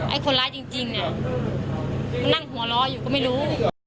ไอ้คนร้ายจริงนั่งหัวล้ออยู่ก็ไม่รู้